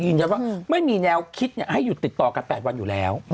ยืนยันว่าไม่มีแนวคิดให้หยุดติดต่อกัน๘วันอยู่แล้ว